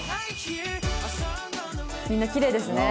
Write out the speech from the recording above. みんなきれいですね。